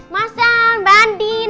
masal mbak andin